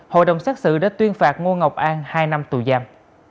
hội đồng xét xử đã tuyên phạt ngô ngọc an hai năm tù giam